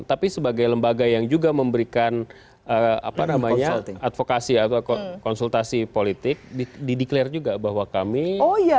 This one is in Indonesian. tapi sebagai lembaga yang juga memberikan advokasi atau konsultasi politik dideklarasi juga bahwa kami